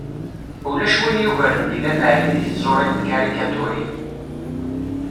Ulac win yugaren Dilem Ɛli deg tẓuri n tkarikaturin.